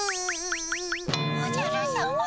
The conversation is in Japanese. おじゃるさま。